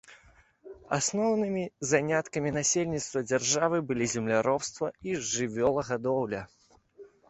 Асноўнымі заняткамі насельніцтва дзяржавы былі земляробства і жывёлагадоўля.